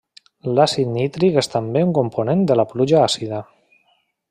L'àcid nítric és també un component de la pluja àcida.